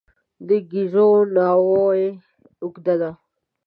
د ګېزو ناوې اوږده ده.